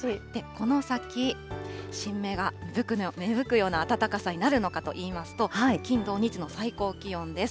この先、新芽が芽吹くような暖かさになるのかといいますと、金土日の最高気温です。